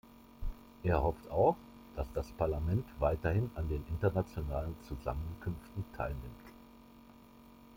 Er hofft auch, dass das Parlament weiterhin an den internationalen Zusammenkünften teilnimmt.